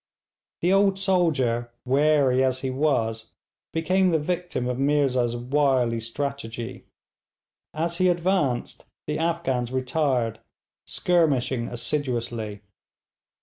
The old soldier, wary as he was, became the victim of Meerza's wily strategy. As he advanced, the Afghans retired, skirmishing assiduously.